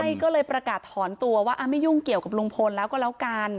ใช่ก็เลยประกาศถอนตัวว่าไม่ยุ่งเกี่ยวกับลุงพลแล้วก็แล้วกัน